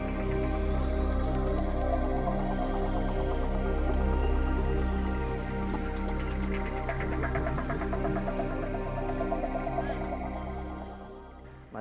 dan juga untuk menjaga kembang